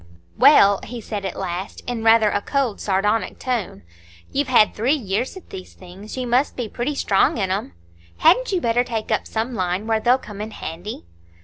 "Well," he said at last, in rather a cold, sardonic tone, "you've had three years at these things,—you must be pretty strong in 'em. Hadn't you better take up some line where they'll come in handy?"